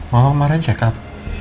mama kemarin check up